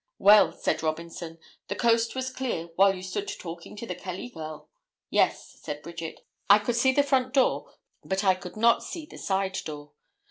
"Well," said Robinson, "the coast was clear while you stood talking to the Kelly girl!" "Yes," said Bridget, "I could see the front door but I could not see the side door."